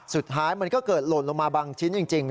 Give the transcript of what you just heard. สุดท้ายมันก็เกิดหล่นลงมาบางชิ้นจริง